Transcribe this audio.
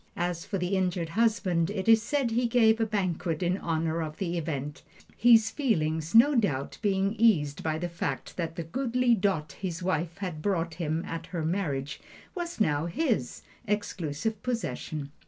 As for the injured husband, it is said he gave a banquet in honor of the event; his feelings, no doubt, being eased by the fact that the goodly dot his wife had brought him at her marriage was now his exclusive possession.